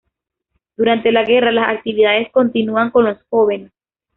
Durante la guerra, las actividades continúan con los jóvenes.